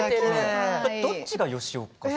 どっちが吉岡さん？